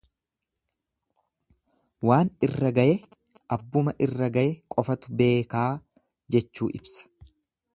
Waan irra gaye abbuma irra gaye qofatu beekaa jechuu ibsa.